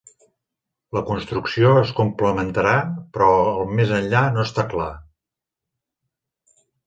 La construcció es completarà, però el més enllà no està clar.